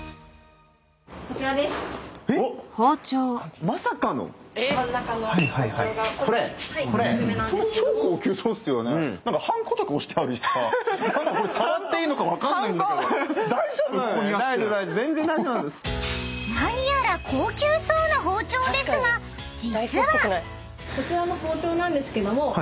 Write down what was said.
こちらの包丁なんですけども。